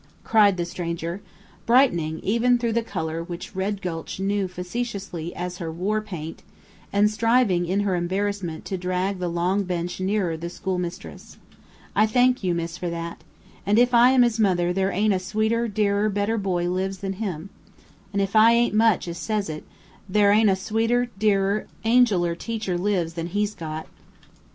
cried the stranger, brightening even through the color which Red Gulch knew facetiously as her "war paint," and striving, in her embarrassment, to drag the long bench nearer the schoolmistress. "I thank you, miss, for that! and if I am his mother, there ain't a sweeter, dearer, better boy lives than him. And if I ain't much as says it, thar ain't a sweeter, dearer, angeler teacher lives than he's got."